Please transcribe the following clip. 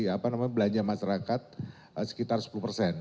apa namanya belanja masyarakat sekitar sepuluh persen